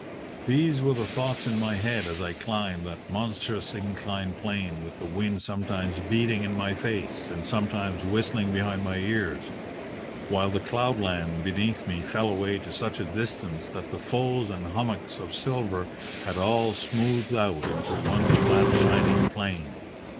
"These were the thoughts in my head as I climbed that monstrous inclined plane with the wind sometimes beating in my face and sometimes whistling behind my ears, while the cloud land beneath me fell away to such a distance that the folds and hummocks of silver had all smoothed out into one flat, shining plain.